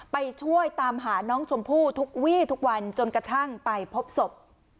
ไปช่วยตามหาน้องชมพู่ทุกวี่ทุกวันจนกระทั่งไปพบศพ